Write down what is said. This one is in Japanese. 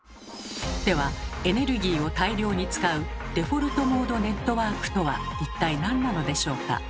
ではエネルギーを大量に使うデフォルトモードネットワークとは一体何なのでしょうか？